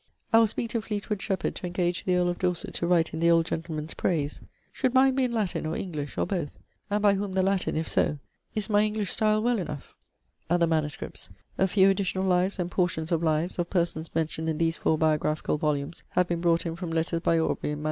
I will speake to Fleetwood Shepherd to engage the earl of Dorset to write in the old gentleman's praise. Should mine be in Latin or English or both? (And by whome the Latin, if so?) Is my English style well enough?' =Other MSS.= A few additional lives, and portions of lives, of persons mentioned in these four biographical volumes, have been brought in from letters by Aubrey in MS.